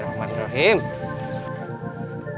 bagus laik dengan rules gue